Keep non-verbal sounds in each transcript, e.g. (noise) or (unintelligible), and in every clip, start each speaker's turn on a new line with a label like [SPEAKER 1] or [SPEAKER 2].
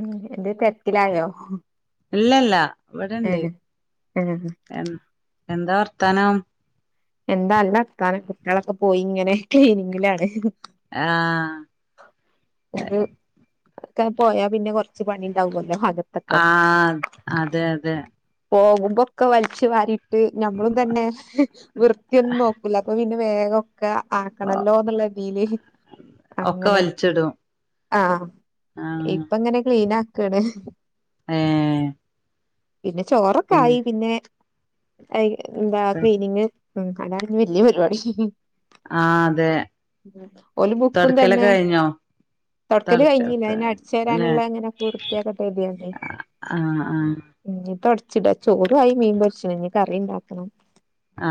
[SPEAKER 1] ഉം എന്ത് തെരക്കിലായോ
[SPEAKER 2] ഇല്ലല്ല ഇവിടെണ്ട്
[SPEAKER 1] ഉം ഉം
[SPEAKER 2] എ എന്താ വർത്താനം
[SPEAKER 1] എന്താല്ലർത്താനം കുട്ടികളൊക്കെ പോയി ഇങ്ങനെ ക്ലീനിങ്ങിലാണ്
[SPEAKER 2] ആഹ്
[SPEAKER 1] അത് ഒക്കെ പോയാ പിന്നെ കൊറച്ച് പണി ഉണ്ടാവുല്ലോ
[SPEAKER 2] ആ അതെ അതെ
[SPEAKER 1] പോവുമ്പൊക്കെ വലിച്ചു വരിട്ട് ഞമ്മളും തന്നെ വൃത്തിയൊന്നും നോക്കല അപ്പൊ പിന്നെ വേഗം ഒക്കെ ആക്കണല്ലോ എന്നുള്ള രീതിൽ
[SPEAKER 2] ഒക്കെ
[SPEAKER 1] അങ്ങനെ
[SPEAKER 2] വലിച്ചിടും
[SPEAKER 1] ആ
[SPEAKER 2] ആഹ്
[SPEAKER 1] ഇപ്പ എങ്ങനെ ക്ലീനാ കടേ
[SPEAKER 2] ഏഹ്
[SPEAKER 1] പിന്നെ ചോറൊക്കെ ആയി പിന്നെ ഐ എന്താ ക്ലീനിംഗ് ഉം അടാണ് ഇനി വല്യ പരിപാടി
[SPEAKER 2] ആ അതെ
[SPEAKER 1] ഓല് ബുക്കും തന്നെ
[SPEAKER 2] തൊടക്കലൊക്കെ കഴിഞ്ഞോ
[SPEAKER 1] തൊടക്കല്
[SPEAKER 2] തൊടക്ക
[SPEAKER 1] കഴിഞ്ഞില്ല അതിന് അടിച്ചു വാരാനുള്ള അങ്ങനൊക്കെ വൃത്തിയാക്കട്ടെ
[SPEAKER 2] (unintelligible) ആ ആ
[SPEAKER 1] ഇഞ്ഞി തൊട്ച്ചിടാ ചോറായി മീൻ പൊര്ച്ച് ഇനി കറിണ്ടാക്കണം
[SPEAKER 2] ആ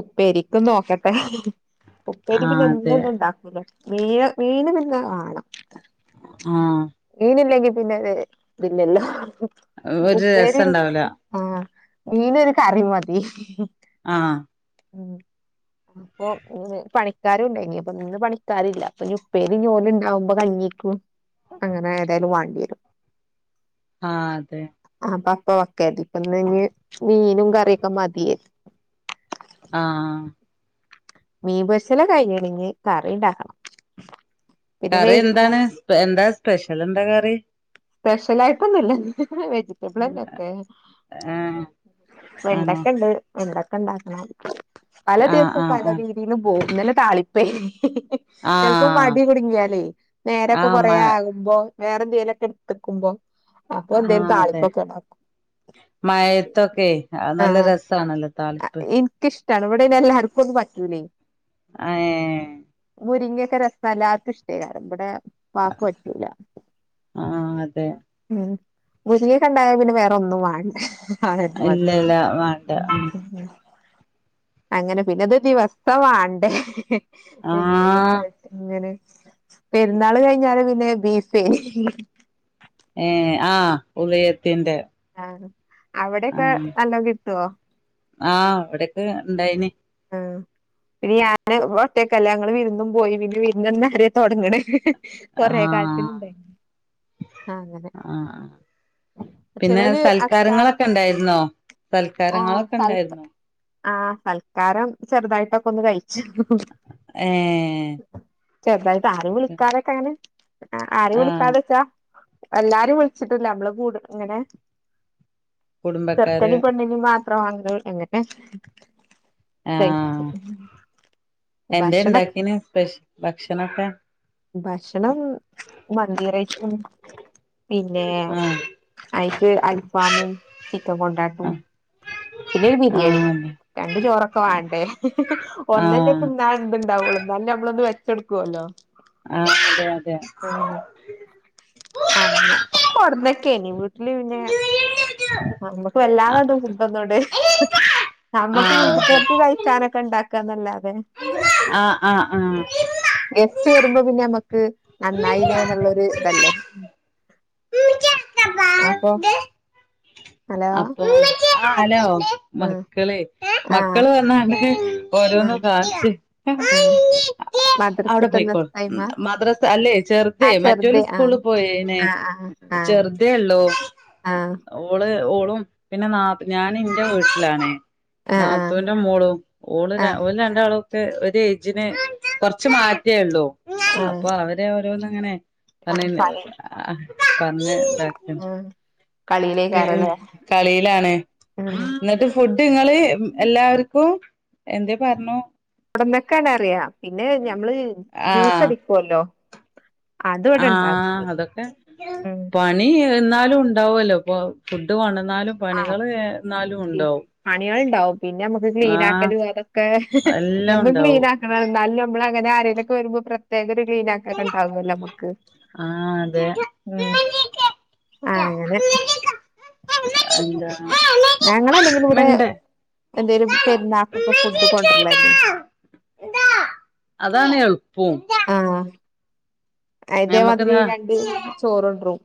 [SPEAKER 1] ഉപ്പേരിക്ക് നോക്കട്ടെ ഉപ്പരി പിന്നെ
[SPEAKER 2] ആഹ് അതെ
[SPEAKER 1] എന്നൊന്നും ഉണ്ടാക്കൂല മീന് മീനു പിന്നെ വാണം
[SPEAKER 2] ആഹ്
[SPEAKER 1] മീനില്ലെങ്കി പിന്നെ ഒര് ഇതില്ലല്ലോ (unintelligible)
[SPEAKER 2] ഒരു
[SPEAKER 1] ഉപ്പേരി (unintelligible)
[SPEAKER 2] രസണ്ടാവൂല
[SPEAKER 1] ആഹ് മീനൊരു കറി മതി
[SPEAKER 2] ആഹ് ആഹ്
[SPEAKER 1] ഉം അപ്പൊ പണിക്കാരും ഉണ്ടായിനി അപ്പൊ നിന്ന് പണിക്കാര് ഇല്ല അപ്പ ഇനി ഉപ്പേരി ഓല് ഇണ്ടാവുമ്പോ കഞ്ഞീൽക്കും അങ്ങനെ ഏതായാലും വാണ്ടിയരും
[SPEAKER 2] ആഹ് അതെ
[SPEAKER 1] അപ്പൊ അപ്പ ഓക്കെ ഇപ്പ ഇനി മീനും കറിയൊക്കെ മതി
[SPEAKER 2] ആഹ് ആഹ്
[SPEAKER 1] മീൻ പൊരിച്ചല് ഒക്കെ കഴിഞ്ഞീണ് ഇനി കറി ഇണ്ടാക്കണം പിന്നെ
[SPEAKER 2] കറി
[SPEAKER 1] വൈകുന്നേ
[SPEAKER 2] എന്താണ് സ്പെ എന്താ സ്പെഷ്യലെന്താ കറി
[SPEAKER 1] സ്പെഷ്യൽ ആയിട്ട് ഒന്നുല്ല ഇന്ന് ആ വെജിറ്റബിൾ എന്തൊക്കെ
[SPEAKER 2] ഏഹ് ആണോ
[SPEAKER 1] വെണ്ടക്ക ഇണ്ട് വെണ്ടക്ക് ക്കെണ്ടാക്കണം പല
[SPEAKER 2] ആഹ്
[SPEAKER 1] ദിവസം
[SPEAKER 2] ആഹ്
[SPEAKER 1] പല
[SPEAKER 2] ആഹ്
[SPEAKER 1] രീതിയിലും പോകും ഇന്നലെ താളിപ്പേയ്നി ചെലപ്പം
[SPEAKER 2] ആഹ്
[SPEAKER 1] മടി കുടുങ്ങിയാലേ നേരെക്കെ
[SPEAKER 2] ആഹ്
[SPEAKER 1] കൊറെ
[SPEAKER 2] മഴ
[SPEAKER 1] ആകുമ്പോ വേറെ എന്തെങ്കിലും ഒക്കെ- വെക്കുമ്പോ
[SPEAKER 2] ആ അതെ മഴയത്തു ഓക്കെ നല്ല രസമാണല്ലോ താളിപ്പ്
[SPEAKER 1] ണവിടേ (unintelligible) ന്നെല്ലാർക്കും അത പറ്റൂല്ലേ
[SPEAKER 2] ആ
[SPEAKER 1] മുരിങ്ങക്കാ രസം എല്ലാർക്കും ഇഷ്ടേ ഇവിടെ വാപ്പാക്ക് പറ്റൂല
[SPEAKER 2] ആഹ അതെ
[SPEAKER 1] മുരിങ്ങകണ്ടായ പിന്നെ വേറെ ഒന്നും വേണ്ട
[SPEAKER 2] ഇല്ല ഇല്ല വേണ്ട
[SPEAKER 1] അങ്ങനെ പിന്നത് ദിവസം വാണ്ടേ എന്തെല്ക്കും
[SPEAKER 2] ആഹ്
[SPEAKER 1] ആയിട്ടിങ്ങനെ പെരുന്നാള് കഴിഞ്ഞാല് പിന്നെ പീസെ
[SPEAKER 2] ഏ ആ ഉളിയത്തിന്റെ
[SPEAKER 1] ആ അവിടെയൊക്കെ നല്ലോം കിട്ടോ
[SPEAKER 2] ആഹ വിടൊക്കെ ഉണ്ടായിനി
[SPEAKER 1] ആ പിന്നെ ഞാന് ഒറ്റക്കല്ലേ ഞങ്ങള് വിരുന്നും പോയി പിന്നെ വിരുന്നന്നാരെ തൊട്ങ്ങ്ണ്
[SPEAKER 2] ആഹ്
[SPEAKER 1] കുറേക്കാലത്തിനുണ്ടായി ആങ്ങനെ
[SPEAKER 2] ആഹ് പിന്നെ
[SPEAKER 1] ചെലോല് അച്ചാറൊ
[SPEAKER 2] സൽക്കാരങ്ങളൊക്കെ ഇണ്ടായിരുന്നോ
[SPEAKER 1] ആം
[SPEAKER 2] സൽക്കാരങ്ങളൊക്കെ
[SPEAKER 1] സൽ
[SPEAKER 2] ഇണ്ടായിരുന്നോ
[SPEAKER 1] ആ ഹരം ചെറുതായിട്ടൊക്കെ ഒന്ന് കഴിച്ച്‌
[SPEAKER 2] ഏഹ്
[SPEAKER 1] ചെർതായി ആരും വിളിക്കാതെക്കെ എങ്ങനെ അ ആരെം
[SPEAKER 2] ആഹ്
[SPEAKER 1] വിളിക്കാതെക്കാ എല്ലാരും വിളിച്ചിട്ടില്ല നമ്മള് കൂട് ഇങ്ങനെ
[SPEAKER 2] കുടുംബക്കാര്
[SPEAKER 1] ചെർക്കനിം പെണ്ണിനിം മാത വാങ്ക് എങ്ങനെ ഴിച്ച്
[SPEAKER 2] ആഹ്
[SPEAKER 1] ഭക്ഷ്ണക്
[SPEAKER 2] ഭക്ഷ്ണൊക്കെ
[SPEAKER 1] ഭക്ഷണം മന്തിറൈസും പിന്നെ
[SPEAKER 2] ആഹ്
[SPEAKER 1] അയിക്ക് അൽഫാമും ചിക്കൻ കൊണ്ടാട്ടും
[SPEAKER 2] ആഹ്
[SPEAKER 1] പിന്നെ ഒരു ബിരിയാണി
[SPEAKER 2] ആഹ്
[SPEAKER 1] രണ്ട് ചോറൊക്കെ വാണ്ടേ ഒന്നന്നെ
[SPEAKER 2] ആഹ്
[SPEAKER 1] തിന്നാൻ ത് ണ്ടാവൊള്ളൂ ന്നാലും നമ്മളൊന്ന് വെ ച്ചെട്ക്കുവല്ലോ
[SPEAKER 2] ആഹ് അതെ അതെ
[SPEAKER 1] ഉം അങ്ങനെ
[SPEAKER 2] ആഹ്
[SPEAKER 1] പ്പൊവിടന്ന് റ്റെനിവ് ഇല്ല പിന്നെ നമുക്ക് വല്ലാതെ ന്തും ഫുഡ് ഒന്നുടെം
[SPEAKER 2] അതെ
[SPEAKER 1] നമ്മുക്ക് വീട്ട്തോൽക്ക് കഴിക്കാനൊ ഉണ്ടാക്കാന്നല്ലാതെ
[SPEAKER 2] ആ ആ ആഹ
[SPEAKER 1] ചേരുമ്പോ പിന്നെ നമ്മക്ക് നന്നായിലേന്നുള്ളൊരു തല്ലേ അപ്പൊ
[SPEAKER 2] ആഹ്
[SPEAKER 1] ഹലോ
[SPEAKER 2] അപ്പൊ ആഹ ഹലോ
[SPEAKER 1] ആഹ്
[SPEAKER 2] മക്കളെ
[SPEAKER 1] ആഹ്
[SPEAKER 2] മക്കള് വന്നാ അന്നക്ക് ഓരോന്നും
[SPEAKER 1] ആഹ്
[SPEAKER 2] കാ
[SPEAKER 1] ആഹ്
[SPEAKER 2] (unintelligible)
[SPEAKER 1] മദ്രസ
[SPEAKER 2] അവിടെ
[SPEAKER 1] വിട്ടുന്ന
[SPEAKER 2] പോയിക്കോ ഉം
[SPEAKER 1] ടൈമാ
[SPEAKER 2] മദ്രസ അല്ലെ
[SPEAKER 1] ആ
[SPEAKER 2] ചെറുതെ മറ്റൊരു
[SPEAKER 1] ചെറുത്
[SPEAKER 2] സ്കൂള്
[SPEAKER 1] ആഹ്
[SPEAKER 2] പോയെനെ
[SPEAKER 1] ആഹ് ആഹ്
[SPEAKER 2] ചെറുതേ ഉള്ളു
[SPEAKER 1] ആഹ്
[SPEAKER 2] ഓള്- ഓ ഉം പിന്നെ നാ ഞാൻ ഇന്റെ വീട്ടിലാണെ
[SPEAKER 1] ആഹ് ആഹ്
[SPEAKER 2] നാത്തൂൻന്റെ മോളും ഓള്
[SPEAKER 1] ആഹ്
[SPEAKER 2] ഓള് രണ്ടാളും - ഒരു ഏജിനു കൊറച്ച് മാറ്റേ ഉള്ളൂ
[SPEAKER 1] ആഹ്
[SPEAKER 2] അപ്പൊ അവരെ ഓരോന്ന്- അങ്ങനെ
[SPEAKER 1] ആഹ്
[SPEAKER 2] തന്ന
[SPEAKER 1] കളി
[SPEAKER 2] ആ പറഞ്ഞെ
[SPEAKER 1] ഉം കളിയലേക്കയറാണോ
[SPEAKER 2] കളിയിലാണ് എന്നിട്ട് ഫുഡ് നിങ്ങള് എല്ലാവർക്കും- എന്തേ പറ്ണു
[SPEAKER 1] ഇവിടെ നെക്കാനറ്യൊ പിന്നെ ഞമ്മള് ജ്യൂസ്
[SPEAKER 2] ആഹ്
[SPEAKER 1] അടിക്കുവല്ലോ അത് ഇവിടെ ഇണ്ടാക്കി
[SPEAKER 2] ആഹ് അതൊക്കെ
[SPEAKER 1] ഉം
[SPEAKER 2] പണി എന്നാലും ഉണ്ട് ഉണ്ടാവല്ലോ ഇപ്പൊ ഫുഡ്കൊണ്ടന്ന്
[SPEAKER 1] ആഹ് പിൻ അണികള് ഇണ്ടാവും പിന്നെ നമ്മക്ക് ക്ലീൻ
[SPEAKER 2] ആഹ്
[SPEAKER 1] ആക്കല് അതൊക്കെ ഹ് ഹ്
[SPEAKER 2] എല്ലാം
[SPEAKER 1] എന്നും ക്ലീൻ
[SPEAKER 2] ഉണ്ടാവും
[SPEAKER 1] ആക്കണം എന്നാലും ഞമ്മള അങ്ങെനെ ആരേലു ഓക്കെ വെരുമ്പോ പ്രത്യകഒര് ക്ലീൻ ആക്ക (unintelligible) ലൊക്കെ ഇണ്ടാവൊല്ലോ അമ്മക്ക്
[SPEAKER 2] ആഹ് അതെ
[SPEAKER 1] ഉം ആഹ് അങ്ങനെ
[SPEAKER 2] അല്ല
[SPEAKER 1] ഞങ്ങളല്ലെങ്കിലും പ് ഇവ്ടെ എന്തേലും പെരുന്നാക്കൊക്കെ ഫുഡ് കൊണ്ടര്ലെന്നെ
[SPEAKER 2] പോവും (unintelligible)
[SPEAKER 1] അയ്തേമാതിരി രണ്ട് ചോറ് ണ്ട്രും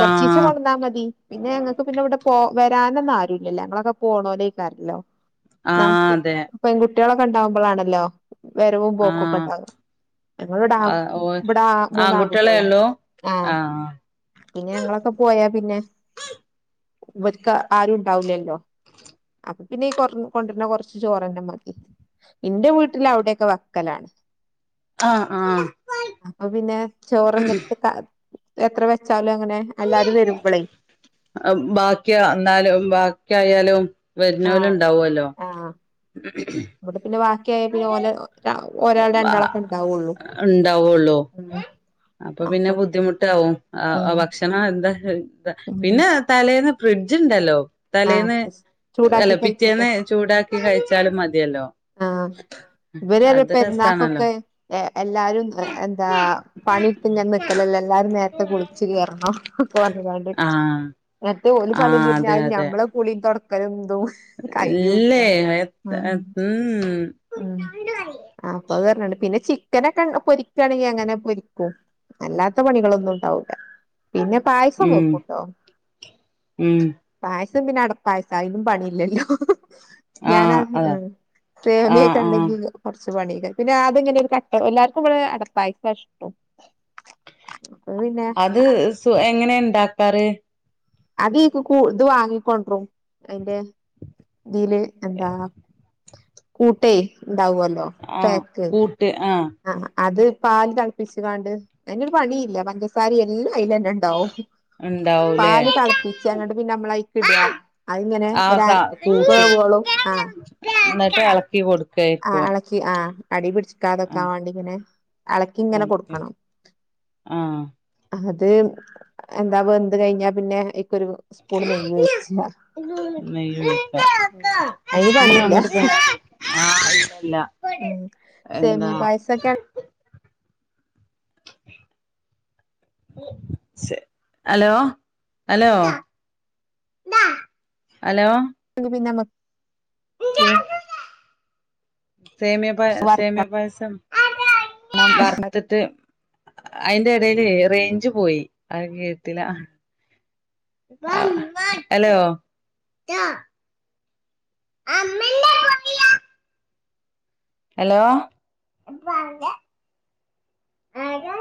[SPEAKER 1] കൊറ്ച്ചീസെ
[SPEAKER 2] ആഹ്
[SPEAKER 1] കൊണ്ടന്നാ മതി പിന്നെ ഞങ്ങക്ക് പിന്നെ ഇവിടെ പോ വരാനൊന്നും ആരുല്ലലെ ഞങ്ങളൊക്കെ പോണോലേക്കാറല്ലോ നാത്തു
[SPEAKER 2] ആഹ് അതെ
[SPEAKER 1] പെൺകുട്ടി (unintelligible) കുട്ട്യേളൊക്കെ ഇണ്ടാവുമ്പളാണല്ലോ വരവും പോക്കൊക്കെ
[SPEAKER 2] ആഹ്
[SPEAKER 1] ഉണ്ടാവ ഞങ്ങൾ ഇവിട ആൺ
[SPEAKER 2] ആഹ് ഓ
[SPEAKER 1] ഇവടെ ആഹ് മൂന്നാ
[SPEAKER 2] ആൺകുട്ടികളെ
[SPEAKER 1] ആൺകുട്ട്യേളാ
[SPEAKER 2] ഉള്ളൂ
[SPEAKER 1] ആഹ് പിന്നെ ഞങ്ങളൊക്കെ പോയാ പിന്നെ ഇവർക്ക് ആരും ഉണ്ടാവില്ലല്ലോ അപ്പൊ പിന്നെ കൊറ് കൊണ്ടുവരുന്ന കൊറച്ച് ചോറന്നെ മതി ഇന്റെ വീട്ടില് അവിടെയൊക്കെ വക്കലാണ്.
[SPEAKER 2] ആഹ് ആഹ്
[SPEAKER 1] അപ്പൊ പിന്നെ ചോറ് (unintelligible) എത്ര വെച്ചാലും അങ്ങനെ. എല്ലാരും വരുമ്പളേ
[SPEAKER 2] ബാക്കി എന്നാലും ബാക്കിയായാലും വരുന്നവര് ഉണ്ടാവുവല്ലോ ഉ (unintelligible)
[SPEAKER 1] മ (unintelligible) (unintelligible) കേ പി ഓലെ ഓ രാ
[SPEAKER 2] വ ആഉണ്ടാവുള്ളൂ
[SPEAKER 1] ഉം
[SPEAKER 2] അപ്പൊ പിന്നെ ബുദ്ധിമുട്ടാവും
[SPEAKER 1] ഉം
[SPEAKER 2] ആ ഭക്ഷണ ആ (unintelligible)
[SPEAKER 1] ഉം
[SPEAKER 2] പിന്നെ തലേന്ന് ഫ്രിഡ്ജ് ഉണ്ടല്ലോ തലേന്ന്
[SPEAKER 1] ആഹ്
[SPEAKER 2] അല്ല
[SPEAKER 1] ചൂടാക്കി കഴിക്കോട്ടെ
[SPEAKER 2] പിറ്റേന്ന് ചൂടാക്കി കഴിച്ചാലും മതി ഇല്ലലോ
[SPEAKER 1] ആഹ് ഇവര് പെരുന്നാക്കൊക്കെ എ എല്ലാരും എ എന്താ പണിയടുത്തിങ്ങനെ നിക്കലല്ലേ എല്ലാരും നേരത്തെ കുളിച്ച് കേറണം. പറഞ്ഞ്ക്കാണ്ട്
[SPEAKER 2] ആഹ്
[SPEAKER 1] എന്നട്ട് ഓല് പളളിന്ന്
[SPEAKER 2] ആഹ് അതെ
[SPEAKER 1] തിരിഞ്ഞാലും
[SPEAKER 2] അതെ
[SPEAKER 1] ഞമ്മളെ കുളി തൊട്ക്കലും (unintelligible) കയുല്ല്യ
[SPEAKER 2] ഇല്ലേ
[SPEAKER 1] ഉം മ് അപ്പൊ അത് പറഞ്ഞാണ്ട് പിൻ പിന്നെ ചിക്കനൊക്കെ പൊരിക്കാണെങ്കിൽ അങ്ങനെ പൊരിക്കും അല്ലാത്ത പണികളൊന്നും ഉണ്ടാവൂല്ല പിന്നെ പായസം
[SPEAKER 2] ഉം ഉം
[SPEAKER 1] വെക്കുട്ടോ
[SPEAKER 2] ഉം
[SPEAKER 1] പായസം ത് പിന്നെ അടപ്പായസ അയിനും പണിയില്ലല്ലോ ഞാനാ
[SPEAKER 2] ആഹ് അതാ
[SPEAKER 1] ആഹ്
[SPEAKER 2] ആഹ്
[SPEAKER 1] സേമിയക്കെ
[SPEAKER 2] ആഹ്
[SPEAKER 1] ഇണ്ടങ്കില് കൊറച്ച് റച്ച് പണിയുണ്ട് പിന്നെ അത്ങ്ങനെ ഒരു കട്ട എല്ലാർക്കും ഇവടെ അടപ്പായ സായിഷ്ടം
[SPEAKER 2] അത് സൊ എങ്ങനെ ഇണ്ട് ഇണ്ടാക്കാറ്
[SPEAKER 1] അത് ഇക്കു കു ഇത് വാങ്ങിക്കൊണ്ടറും അതിന്റെ ഇതില് എന്താ കൂട്ടേ ഇണ്ടാവല്ലോ
[SPEAKER 2] ആഹ്
[SPEAKER 1] പാക്ക്
[SPEAKER 2] കൂട്ട്
[SPEAKER 1] ആഹ് അത് പാല് തെളപ്പിച്ചുംകാണ്ട് അതിനൊരു പണിയില്ല പഞ്ചസാരം എല്ലുണ്ട് അയിലന്നെ ഇണ്ടാവും
[SPEAKER 2] ഉണ്ടാവൂലേ
[SPEAKER 1] പാല് തെളപ്പിച്ചങ്ങട്ട് പിന്നെ നമ്മളയിക്ക് ഇടാ അതിങ്ങനെ
[SPEAKER 2] ആഹ്
[SPEAKER 1] ഒരു അര
[SPEAKER 2] സ കൂട്ട്
[SPEAKER 1] വേവോളും ആ
[SPEAKER 2] എന്നിട്ട്
[SPEAKER 1] ആ
[SPEAKER 2] എളക്കി
[SPEAKER 1] ആ
[SPEAKER 2] കൊടുക്കായിരിക്കും
[SPEAKER 1] എളക്കി ആഹ അടി പിടിച്ചിട്ട് ടിക്കാതൊക്കാൻ
[SPEAKER 2] ആഹ്
[SPEAKER 1] വേണ്ടി ഇങ്ങനെ എളക്കിങ്ങനെ
[SPEAKER 2] എളക്കി
[SPEAKER 1] കൊടുക്കണം
[SPEAKER 2] ആഹ്
[SPEAKER 1] അ ഇത് എന്താ വെന്ത് കഴിഞ്ഞാ പിന്നെ ഒരു സ്പൂൺ നെയ്യ് ഒയിച്ച
[SPEAKER 2] നെയ്യ് ഒഴിക്ക
[SPEAKER 1] അയിന്
[SPEAKER 2] നീ
[SPEAKER 1] പണില്ല
[SPEAKER 2] അങ്ങട്ട് പോ അല്ല
[SPEAKER 1] ഉം
[SPEAKER 2] എന്താ
[SPEAKER 1] സേമിയ പായസക്കെ
[SPEAKER 2] ഹലോ ഹലോ ഹലോ
[SPEAKER 1] ബാക്കി ഒക്കെ പിന്നമ്മക്ക്
[SPEAKER 2] സേമ്യയ പായ
[SPEAKER 1] വറക്കണം
[SPEAKER 2] സേമ്യയപായസം വർത്ത് ട്ട് അയിന്റെ ഇടയിൽ റേഞ്ച് പോയി അ കേട്ടില്ല ഹലോ ആ അമ്മല്ല ഹലോ കേൾക്കില്ല ആരാ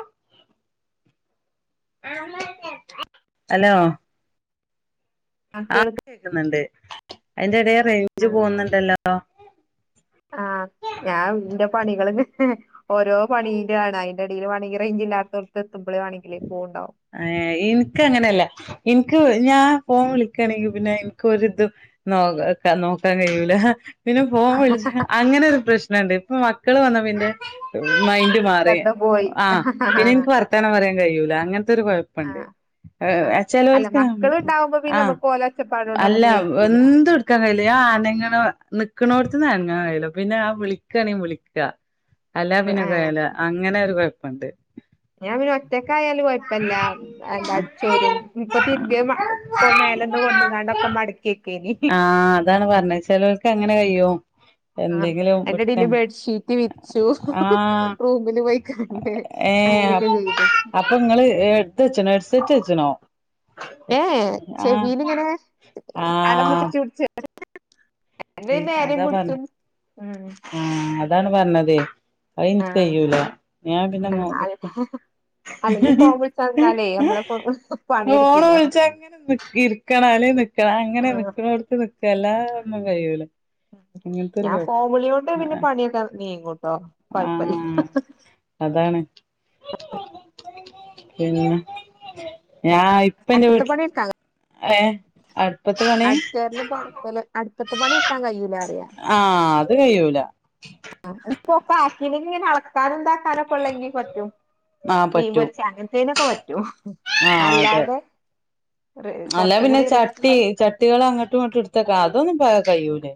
[SPEAKER 2] അലോ ആ
[SPEAKER 1] കേൾക്ക്
[SPEAKER 2] കേക്കുന്നുണ്ട് അതിന്റെ ഇടയാ
[SPEAKER 1] ആ ആ ഞാ (unintelligible) ഇന്റെ പണികളു (unintelligible) ഓരോ പണീന്റെ ആണ് അയിന്റെ ദീൽവാണെകിൽ റേഞ്ച് ഇല്ലാത്തോട്ത് എത്തുമ്പല് വാണെകിൽ പോവ്ണ്ടാവും
[SPEAKER 2] ഏ ഇൻക്ക് അങ്ങനല്ല ഇൻക്ക് ഞാ (unintelligible) ഫോൺ വിളിക്കണെങ്കി പിന്നെ ഇൻക് ഒരിതും നോ (unintelligible) നോക്കാൻ കഴി യൂല (unintelligible) പിന്നെ ഫോൺ വിളിച്ച അങ്ങനൊരു പ്രശ്നണ്ട് മക്കള് വന്നാ പിന്റെ (unintelligible) മൈന്റ് മാറി
[SPEAKER 1] ശ്രദ്ധ പോയി
[SPEAKER 2] ആ പിന്നെ ഇൻക്ക് വർത്താനം പറയാൻ കഴിയൂല അങ്ങൻ (inaudible) തൊരു
[SPEAKER 1] ആ
[SPEAKER 2] കൊയപ്പണ്ട് ആ (unintelligible)
[SPEAKER 1] അല്ല
[SPEAKER 2] ചെലോൽക്ക്
[SPEAKER 1] മക്കള്
[SPEAKER 2] (unintelligible)
[SPEAKER 1] ഇണ്ടാവുമ്പോ പിന്നെ
[SPEAKER 2] ആ
[SPEAKER 1] നമ്മക്ക് ഓലെ ഒച്ചപ്പാടോണ്ട്
[SPEAKER 2] അല്ല
[SPEAKER 1] നമ്മക്ക്
[SPEAKER 2] വ്
[SPEAKER 1] വെയ്ക്കൂല
[SPEAKER 2] എന്ത് ട്ക്കാണെങ്കില് ആ അനങ്ങ (inaudible) (unintelligible) ക്ക്‌നോട്ത്ത്ന്ന് അനങ്ങാ കഴിയൂല പിന്നെ (unintelligible) വിളിക്കാണെങ്കി വിളിക്ക അല്ല പിന്നെ വേല അങ്ങനൊരു (inaudible) പണ്ട്
[SPEAKER 1] ഞാപിന്നൊറ്റക്ക്‌ (unintelligible) ആയാല് കൊയപ്പല്ല എന്താ അടിച്ചോരും ഇപ്പൊ തിരിമ്പേത് മ (unintelligible) മേലെന്ന് കൊട്ന്ന് ക്കാണ്ടൊക്കെ മടക്കെക്കേനി (unintelligible)
[SPEAKER 2] ആഹ് അതാണ് പറഞ്ഞത് ചെലോൽക്ക് അങ്ങനെ കഴിയും
[SPEAKER 1] ആഹ
[SPEAKER 2] എന്തെങ്കിലും
[SPEAKER 1] അയിന്റെടീൽ
[SPEAKER 2] എടുക്കാൻ
[SPEAKER 1] ബെഡ്ഷീറ്റ് വിര്ച്ചു
[SPEAKER 2] ആഹ്
[SPEAKER 1] (unintelligible) റൂമില് പോയിക്കാണ്ട് അങ്ങനെക്കെ ചെയ്തു.
[SPEAKER 2] ങ്ങൾ എട്ത്തച്ച്നോ ഹെഡ്സെറ്റ്ച്ച്ണോ
[SPEAKER 1] ഏ ഏ ചെവീലിങ്ങനെ കലം (inaudible)
[SPEAKER 2] ഏ അതാ പറഞ്ഞ
[SPEAKER 1] പിടിച്ചും ഉം
[SPEAKER 2] ആഹ അതാണ് പറഞ്ഞതെ
[SPEAKER 1] ആ
[SPEAKER 2] അയിന്ക്കയ്യൂല ഞാൻ പിന്നെ
[SPEAKER 1] ആ
[SPEAKER 2] (unintelligible) ഇഹേ
[SPEAKER 1] അല്ലെങ്കി ഫോൺ
[SPEAKER 2] ഹേ ഹേ
[SPEAKER 1] വിളിച്ചന്നാലേ നമ്മളെ ഫോ-
[SPEAKER 2] ഹേ ഓള്
[SPEAKER 1] പണിയെടുക്കൂല
[SPEAKER 2] വിള്ച്ചെങ്ങനെ ഫോൺ വിളിച്ച ഇങ്ങനെ നിക്ക് ഇരിക്കണോ അല്ലേങ്കി നിക്കണ
[SPEAKER 1] ആ
[SPEAKER 2] അങ്ങനെ നിക്കണോടുത്ത് നിക്കു എല്ലാഒന്നുകയ്യൂല
[SPEAKER 1] ഉം ഉം ഞാൻ ഫോൺവിളിയോണ്ട് പിന്നെ പണിയൊക്കെ നീങും വോ കൊഴപ്പല്ല
[SPEAKER 2] ആഹ് അതാണ് പിന്നെ ഞാ ഇപ്പ എന്റെ വീട്ടില്
[SPEAKER 1] അട്ച്ചേര്ലും തൊടക്കല് അടുപ്പത്തെ പണി ഇട്ക്കാ കഴിയൂലാറിയ
[SPEAKER 2] ആ അത് കയ്യൂല
[SPEAKER 1] ആ ഹ് ഇപ്പൊ പാക്കിനിങ്ങനെ അളക്കാനന്താ തരാം കോളേനി പറ്റും
[SPEAKER 2] ആഹ് പറ്റും
[SPEAKER 1] മീൻപൊര്ച്ച അങ്ങൻതെനൊക്കെ പറ്റു ഈയോ
[SPEAKER 2] ആഹ് അതെ
[SPEAKER 1] റി
[SPEAKER 2] അല്ല
[SPEAKER 1] കൊറച്ചും
[SPEAKER 2] പിന്നെ
[SPEAKER 1] കൂടി
[SPEAKER 2] ചട്ടി
[SPEAKER 1] റിസ്ക്ള്ള
[SPEAKER 2] ചട്ടികൾ അങ്ങോട്ടും ഇങ്ങോട്ടും എടുത്തേക്ക അതൊന്നും ഇപ്പ കയിയൂലെ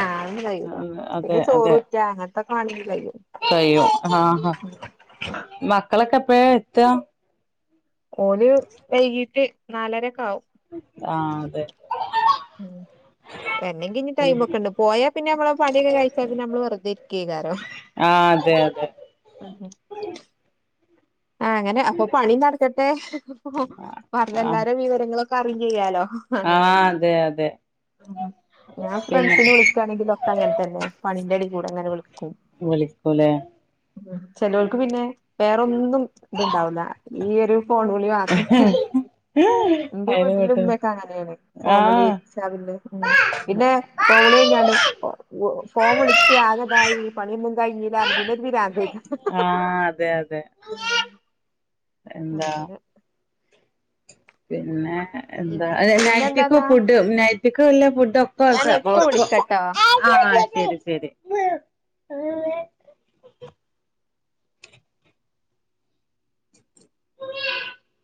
[SPEAKER 1] ആഹ് അതൊന്നും കഴിയൂല
[SPEAKER 2] ആഹ് അതെ
[SPEAKER 1] പിന്നെ
[SPEAKER 2] അതെ
[SPEAKER 1] ചോറൂറ്റാ അങ്ങനത്തൊക്കെ വാണെങ്കി കഴിയും
[SPEAKER 2] കയ്യോ ആഹ് ഹ് മാ മക്കളൊക്കെ എപ്പോയാ എത്തുക
[SPEAKER 1] ഓല് വൈകീട്ട് നാലരക്കെ ആവും
[SPEAKER 2] ആഹ് അതെ
[SPEAKER 1] മ്മ് വേണെങ്കി ഇനി ടൈമൊക്കെ ഇണ്ട് പോയാ പിന്നെ നമ്മള് പണിയൊക്കെ കയിച്ചാ പിന്നെ നമ്മള് വെറുതെ ഇരിക്ക കാരോ
[SPEAKER 2] ആ അതെ അതെ
[SPEAKER 1] മ്മ് ആഹ് അങ്ങനെ അപ്പ പണി നടക്കട്ടെ എ
[SPEAKER 2] ആ
[SPEAKER 1] പറഞ്ഞെല്ലാരെ വിവരങ്ങളൊക്കെ പറയെം ചെയ്യാലോ
[SPEAKER 2] ആ
[SPEAKER 1] അങ്ങനെ
[SPEAKER 2] അതെ അതെ
[SPEAKER 1] ആ ഹാ ഞാൻ
[SPEAKER 2] പിന്നെ
[SPEAKER 1] ഫ്രണ്ട്സിന് വിളിക്കായാണെങ്കില് ഒക്കെ അങ്ങനെ തന്നെ പണിൻ്റെ ഇടയ് കൂടെ അങ്ങനെ വിളിക്കും
[SPEAKER 2] വിളിക്കൂലേ
[SPEAKER 1] ചിലവർക്ക് പിന്നെ വേറൊന്നും ഇത്ണ്ടാവുല ഈയ് ഒരു ഫോൺ വിളി മാത്രം എന്റെ
[SPEAKER 2] അയിന്
[SPEAKER 1] വീട്ടില്
[SPEAKER 2] പെട്ട
[SPEAKER 1] ഉമ്മയൊക്കെ അങ്ങനെയാണ്
[SPEAKER 2] ആ
[SPEAKER 1] ഫോൺ വിളിച്ചാല് പിന്നെ ഉം പിന്നെ ഫോൺ വിളി കയിയാണ്ട് ഫോൺ വിളിച്ച് ആകെ ആയി പണിയെല്ലാം കയിയൂലാന്ന് പിന്നെന്തിനാന്ന്
[SPEAKER 2] ആ അതെ അതെ
[SPEAKER 1] മ്
[SPEAKER 2] എന്താ
[SPEAKER 1] അങ്ങനെ
[SPEAKER 2] പിന്നെ എന്താ ആഹ് നൈറ്റൊക്കെ
[SPEAKER 1] പിന്നെന്താന്നാ
[SPEAKER 2] ഫുഡ് നൈറ്റ് റ്റ്ക്ക് വേല്ലാ ഫുഡ്
[SPEAKER 1] ഞാന് ഇപ്പ വിളിക്കട്ടോ
[SPEAKER 2] (unintelligible) ശരി, ശരി